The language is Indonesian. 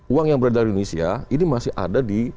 uang yang beredar di indonesia ini masih ada di